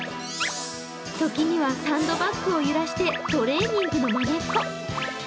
時にはサンドバッグを揺らしてトレーニングのまねっこ。